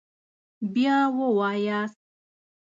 بیا ووایاست